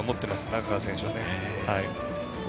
中川選手は。